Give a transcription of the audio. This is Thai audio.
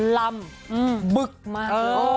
ลำบึกมาก